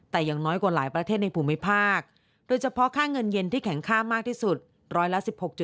แต่อย่างน้อยกว่าหลายประเทศในภูมิภาคโดยเฉพาะค่าเงินเย็นที่แข็งค่ามากที่สุดร้อยละ๑๖